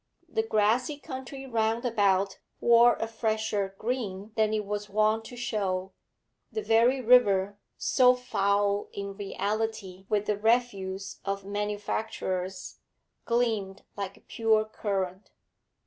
The grassy country round about wore a fresher green than it was wont to show; the very river, so foul in reality with the refuse of manufactures, gleamed like a pure current.